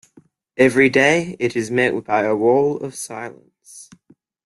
Every day it is met by a wall of silence.